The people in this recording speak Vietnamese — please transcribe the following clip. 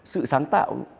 sự sáng tạo